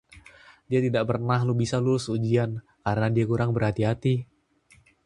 Dia tidak pernah bisa lulus ujian, karena dia kurang berhati-hati.